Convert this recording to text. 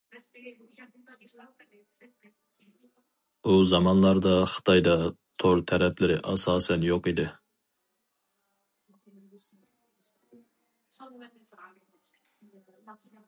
ئۇ زامانلاردا خىتايدا تور تەرىپلىرى ئاساسەن يوق ئىدى.